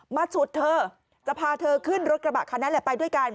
ฉุดเธอจะพาเธอขึ้นรถกระบะคันนั้นแหละไปด้วยกัน